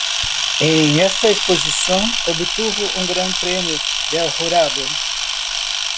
En esta exposición obtuvo un gran premio del jurado.